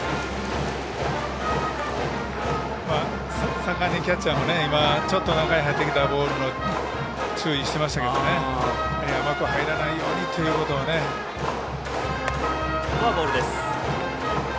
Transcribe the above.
盛んにキャッチャーもちょっと中に入ってきたボールを注意していましたけど甘く入らないようにということで。